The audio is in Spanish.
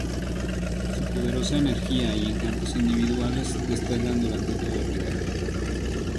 Su poderosa energía y encantos individuales destacan durante todo el vídeo.